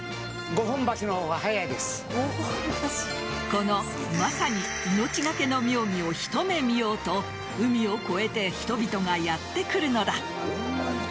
この、まさに命がけの妙技を一目見ようと海を越えて人々がやってくるのだ。